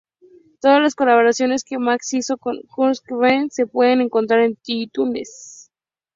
Todas las colaboraciones que Max hizo con Kurt Schneider se puede encontrar en iTunes.